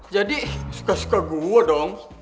jadi suka suka gue dong